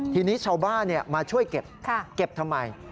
ทีนี้ชาวบ้านมาช่วยเก็บเก็บทำไม